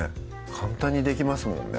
簡単にできますもんね